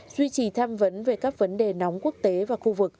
duy trì tham vấn về các vấn đề nóng quốc tế và khu vực